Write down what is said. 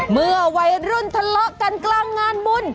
เมื่อวัยรุ่นทะเลาะกันกลางงานบุญ